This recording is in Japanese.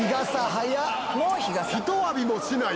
ひと浴びもしない。